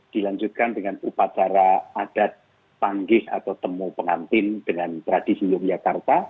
dilanjutkan dengan upacara adat panggih atau temu pengantin dengan tradisi yogyakarta